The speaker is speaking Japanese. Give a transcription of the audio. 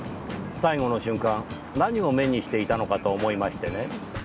最後の瞬間何を目にしていたのかと思いましてね。